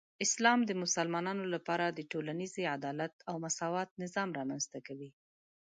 اسلام د مسلمانانو لپاره د ټولنیزې عدالت او مساوات نظام رامنځته کوي.